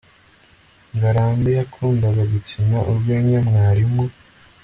ngarambe yakundaga gukina urwenya mwarimu